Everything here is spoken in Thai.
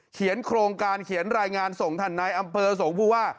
โครงการเขียนรายงานส่งท่านนายอำเภอส่งผู้ว่า